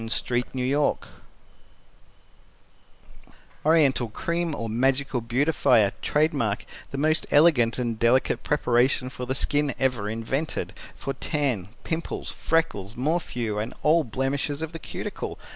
] [Illustration text] Oriental Cream or Magical Beautifier Trade Mark THE MOST ELEGANT AND DELICATE PREPARATION FOR THE SKIN EVER INVENTED For Tan, Pimples, Freckles, Morphew & All Blemishes of the Cuticle.